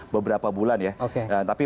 beberapa bulan ya tapi